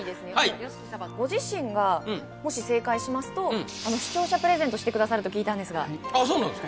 ＹＯＳＨＩＫＩ様ご自身がもし正解しますと視聴者プレゼントしてくださると聞いたんですがあっそうなんですか？